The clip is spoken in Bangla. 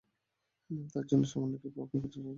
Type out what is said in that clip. তার জন্য সামনে কী অপেক্ষা করছে, সেটার জানান তাকে দিতে হবে।